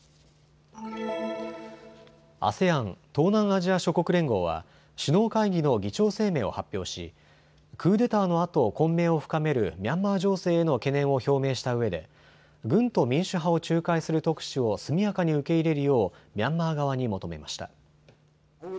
ＡＳＥＡＮ・東南アジア諸国連合は首脳会議の議長声明を発表しクーデターのあと混迷を深めるミャンマー情勢への懸念を表明したうえで軍と民主派を仲介する特使を速やかに受け入れるようミャンマー側に求めました。